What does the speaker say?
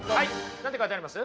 何て書いてあります？